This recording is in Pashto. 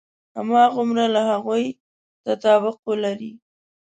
هماغومره له هغوی تطابق ولري.